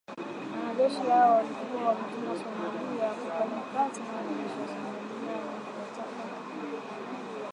Wanajeshi hao walikuwa wametumwa Somalia kufanya kazi na wanajeshi wa Somalia na kuwataka badala yake waingie nchini humo mara kwa mara kusaidia .